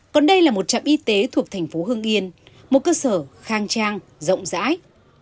còn đây là một trạm y tế thuộc thành phố hương yên một cơ sở khang trang rộng rãi